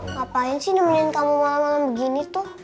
ngapain sih nemenin kamu malem malem begini tuh